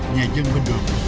nhà dân bên đường